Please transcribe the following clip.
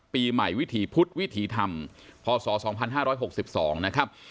ปีใหม่วิถีพุธวิถีธรรมพศ๒๕๖๒นะครับ